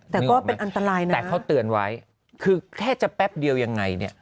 แต่ก็เป็นอันตรายนะแต่เขาเตือนไว้คือแค่จะแป๊บเดียวยังไงเนี่ย